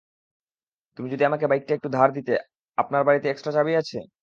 তুমি যদি আমাকে বাইকটা একটু ধার দিতে- -আপনার বাড়িতে এক্সট্রা চাবি আছে?